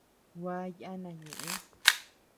Gua yana ñeʼë.